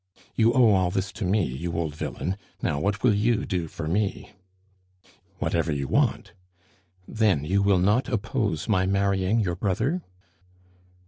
"You owe all this to me, you old villain; now what will you do for me?" "Whatever you want." "Then you will not oppose my marrying your brother?"